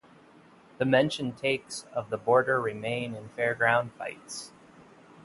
The mentioned takes of the border remain in fairground fights.